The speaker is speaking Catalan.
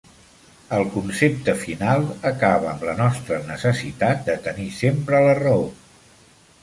El concepte final acaba amb la nostra necessitat de tenir sempre la raó.